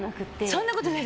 そんなことない。